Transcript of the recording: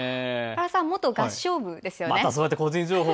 原さん、元合唱部ですよね。